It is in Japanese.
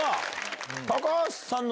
高橋さんの。